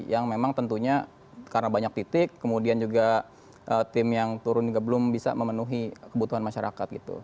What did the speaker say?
yang memang tentunya karena banyak titik kemudian juga tim yang turun juga belum bisa memenuhi kebutuhan masyarakat gitu